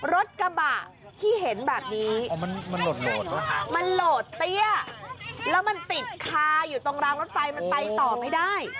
รถกระบะที่เห็นแบบนี้อ๋อมันโหลดนะมันโหลดเตี้ยแล้วมันติดคาอยู่ตรงรางรถไฟมันไปต่อไม่ได้